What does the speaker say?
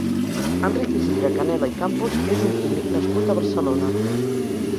Enric Isidre Canela i Campos és un químic nascut a Barcelona.